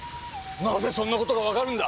なぜそんな事がわかるんだ！